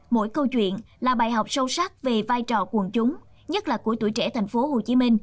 mỗi câu chuyện là bài học sâu sắc về vai trò quần chúng nhất là của tuổi trẻ tp hcm